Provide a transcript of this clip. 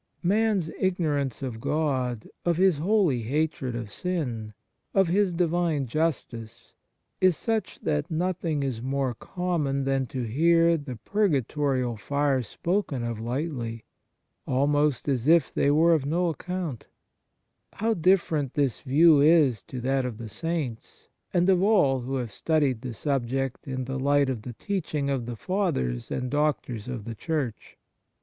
Man s ignorance of God, of His holy hatred of sin, of His Divine justice, is such that nothing is more common than to hear the purgatorial fires spoken of lightly, almost as if they were of no ac count. How different this view is to that of the Saints, and of all who have studied 114 EFFECT AND FRUITS OF DIVINE GRACE" the subject in the light of the teaching of the Fathers and Doctors of the Church